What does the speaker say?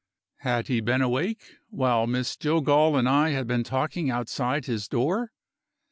Had he been awake, while Miss Jillgall and I had been talking outside his door?